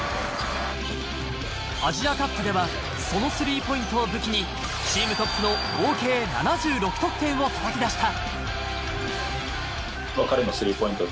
アジアカップではそのスリーポイントを武器に、チームトップの合計７６得点をたたき出した。